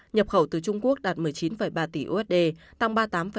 nhập khẩu từ trung quốc đạt một mươi chín ba tỷ usd tăng ba mươi tám